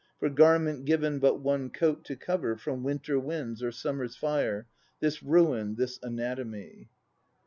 For garment given but one coat to cover From winter winds or summer's fire This ruin, this anatomy!